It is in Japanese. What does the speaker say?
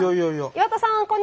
岩田さん